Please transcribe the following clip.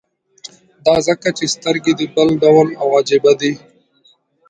دا ځکه چې سترګې دې بل ډول او عجيبه دي.